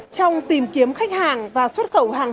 trong tìm kiếm khách hàng và xuất khẩu hàng hóa